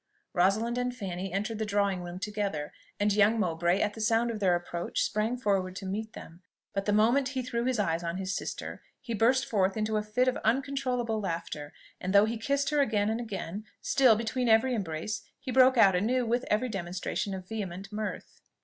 Rosalind and Fanny entered the drawing room together; and young Mowbray, at the sound of their approach, sprang forward to meet them; but the moment he threw his eyes on his sister he burst forth into a fit of uncontrollable laughter; and though he kissed her again and again, still, between every embrace, he broke out anew, with every demonstration of vehement mirth.